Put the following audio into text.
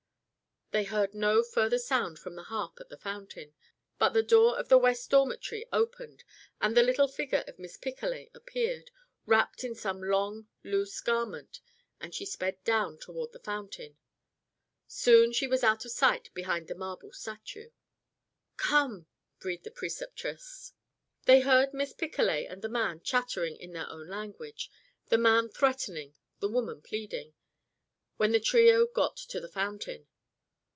They heard no further sound from the harp at the fountain. But the door of the West Dormitory opened and the little figure of Miss Picolet appeared, wrapped in some long, loose garment, and she sped down toward the fountain. Soon she was out of sight behind the marble statue. "Come!" breathed the Preceptress. They heard Miss Picolet and the man chattering in their own language the man threatening, the woman pleading when the trio got to the fountain.